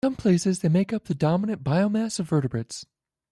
In some places, they make up the dominant biomass of vertebrates.